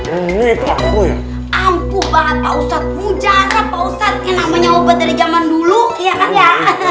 ampuh banget pausat pujarah pausat yang namanya obat dari zaman dulu ya kan ya